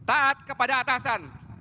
serta taat kepada atasan